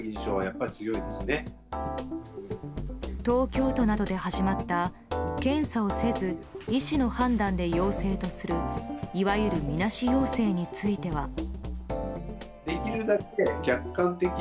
東京都などで始まった検査をせず医師の判断で陽性とするいわゆるみなし陽性については。